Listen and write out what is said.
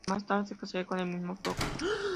Más tarde se casaría con el mismo Fox.